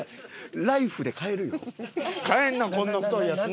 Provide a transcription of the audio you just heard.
買えんなこんな太いやつね。